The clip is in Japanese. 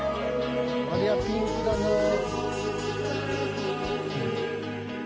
ありゃピンクだなぁ。